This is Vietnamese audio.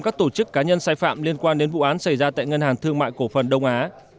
các tổ chức cá nhân sai phạm liên quan đến vụ án xảy ra tại ngân hàng thương mại cổ phần đông á